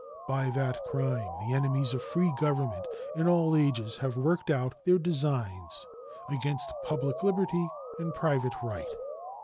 By that crime the enemies of free government in all ages have worked out their designs against public liberty and private right.